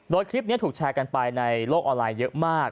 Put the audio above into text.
โดยคลิปนี้ถูกแชร์กันไปในโลกออนไลน์เยอะมาก